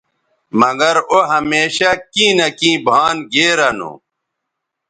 مگر او ھمیشہ کیں نہ کیں بھان گیرہ نو